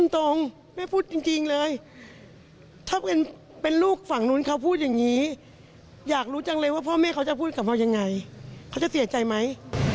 ทีีพีฮานุเขาบอกว่าเหมือนจะทำด้วยความรู้ไม่ไถ้ไม่สูญการ